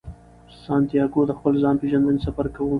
سانتیاګو د خپل ځان پیژندنې سفر کوي.